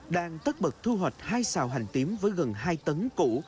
đang tất bật thu hoạch hai xào hành tím với gần hai tấn củ